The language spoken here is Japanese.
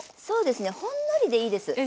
そうですねほんのりでいいです。